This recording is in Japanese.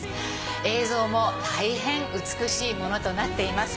映像も大変美しいものとなっています。